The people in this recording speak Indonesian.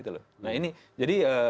nah ini jadi